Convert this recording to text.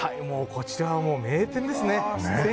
こちらは名店ですね。